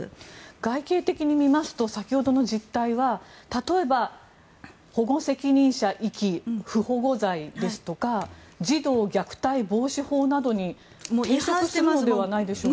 外形的に見ますと先ほどの実態は例えば保護責任者遺棄不保護罪ですとか児童虐待防止法などに抵触してるのではないでしょうか。